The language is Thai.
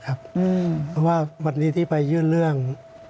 เพราะว่าวันนี้ที่ไปยื่นเรื่อง